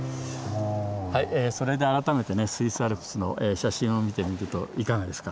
それで改めてスイスアルプスの写真を見てみるといかがですか？